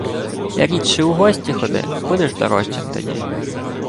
Рідше у гості ходи – будеш дорожчим тоді.